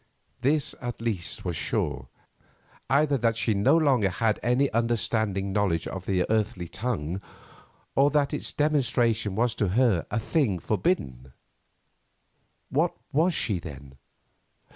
This, at least, was sure; either that she no longer had any understanding knowledge of his earthly tongue, or that its demonstration was to her a thing forbidden. What was she then?